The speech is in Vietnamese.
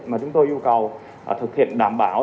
mà chúng tôi yêu cầu thực hiện đảm bảo